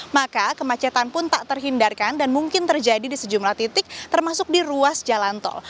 maka kemacetan pun tak terhindarkan dan mungkin terjadi di sejumlah titik termasuk di ruas jalan tol